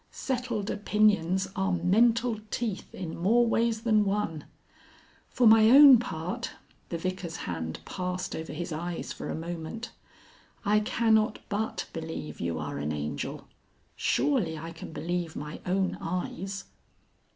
Settled opinions are mental teeth in more ways than one. For my own part," the Vicar's hand passed over his eyes for a moment "I cannot but believe you are an angel.... Surely I can believe my own eyes."